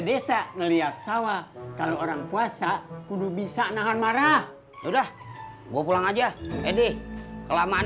desa ngelihat sawah kalau orang puasa udah bisa nahan marah udah gue pulang aja edek kelamaan